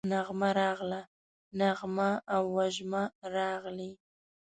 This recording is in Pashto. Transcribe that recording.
نغمه راغله، نغمه او وژمه راغلې